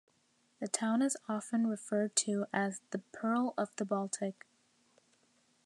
The town is often referred to as "The Pearl of the Baltic".